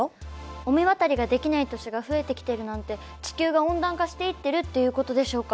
御神渡りができない年が増えてきているなんて地球が温暖化していってるっていうことでしょうか？